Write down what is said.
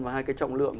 và hai cái trọng lượng